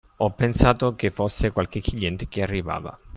Ho pensato che fosse qualche cliente che arrivava.